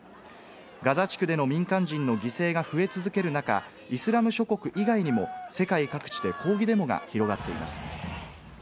ガザ地区での民間人の犠牲が増え続ける中、イスラム諸国以外にも世界各地で抗議デモが広がっています。